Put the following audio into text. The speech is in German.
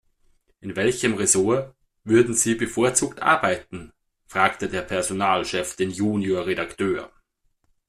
In welchem Ressort würden Sie bevorzugt arbeiten?, fragte der Personalchef den Junior-Redakteur.